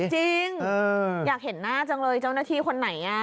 จริงอยากเห็นหน้าจังเลยเจ้าหน้าที่คนไหน